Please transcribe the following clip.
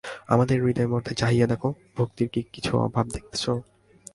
আমাদের হৃদয়মধ্যে চাহিয়া দেখো, ভক্তির কি কিছু অভাব দেখিতেছ?